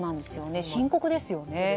深刻ですよね。